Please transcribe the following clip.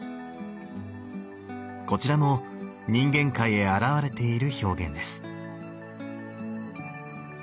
こちらも人間界へ現れている表現です。